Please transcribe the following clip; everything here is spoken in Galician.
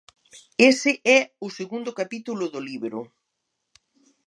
Ese é o segundo capítulo do libro.